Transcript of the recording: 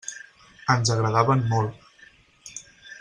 Ens agradaven molt.